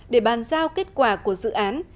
để bàn giao kết quả của dự án